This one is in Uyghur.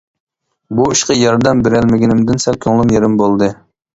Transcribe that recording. بۇ ئىشقا ياردەم بېرەلمىگىنىمدىن سەل كۆڭلۈم يېرىم بولدى.